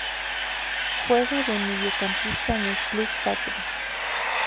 Juega de mediocampista en el club Patria.